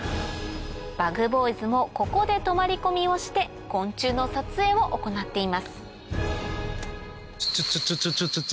ＢｕｇＢｏｙｓもここで泊まり込みをして昆虫の撮影を行っていますちょちょ！